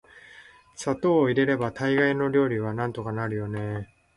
砂糖を入れれば大概の料理はなんとかなるのよね～